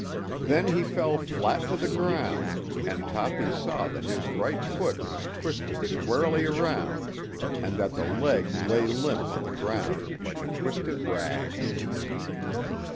Then he fell flat to the ground, and Toppy saw that his right foot was twisted squarely around and that the leg lay limp on the ground like a twisted rag.